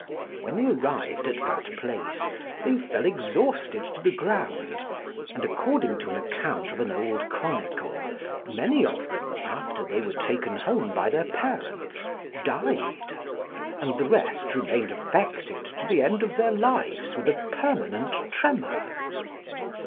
When they arrived at that place they fell exhausted to the ground, and, according to an account of an old chronicle, many of them, after they were taken home by their parents, died, and the rest remained affected, to the end of their lives, with a permanent tremor.